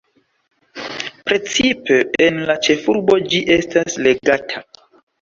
Precipe en la ĉefurbo ĝi estas legata.